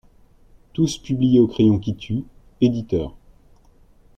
Tous publiés Au crayon qui tue, éditeur.